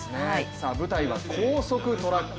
舞台は高速トラック。